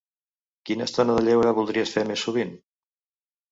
Quina estona de lleure voldries fer més sovint?